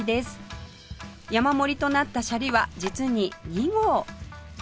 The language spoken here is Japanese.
山盛りとなったシャリは実に２合！